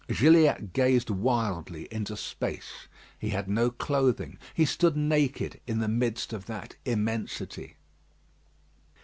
Gilliatt gazed wildly into space. He had no clothing. He stood naked in the midst of that immensity.